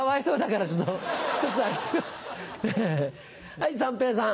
はい三平さん。